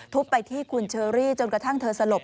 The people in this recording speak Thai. ไปที่คุณเชอรี่จนกระทั่งเธอสลบ